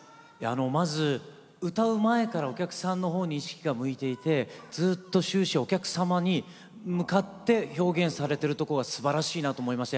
まず、歌う前からお客さんのほうに意識が向いていてずっと終始お客様に向かって表現されてるとこがすばらしいなと思いました。